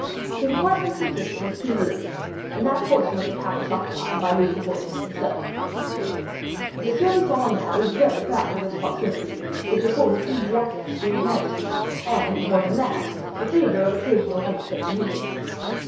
His apartment consisted of two rooms, in that portion of the palace occupied by Louis XIV. himself. M. de Saint Aignan was very proud of this proximity, which afforded easy access to his majesty, and, more than that, the favor of occasional unexpected meetings.